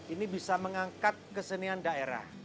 ini bisa mengangkat kesenian daerah